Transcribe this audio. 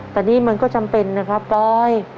แต่นี่มันก็จำเป็นนะครับปลอย